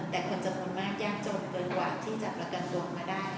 แต่คนจำนวนมากยากจนเกินกว่าที่จะประกันตัวมาได้